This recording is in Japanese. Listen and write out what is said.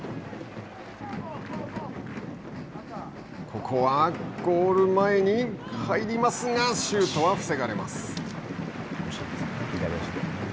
ここはゴール前に入りますがシュートは防がれます。